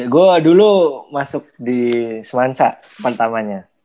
gue dulu masuk di semansa pertama nya